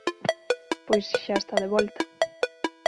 Pois xa está de volta.